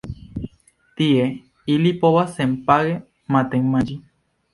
Tie ili provas senpage matenmanĝi.